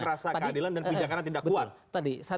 rasa keadilan dan pijakannya tidak kuat